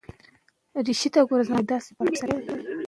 آسمان نن ډېر پاک او شین ښکاري.